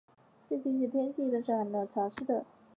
这一地区的天气一般是寒冷而潮湿的。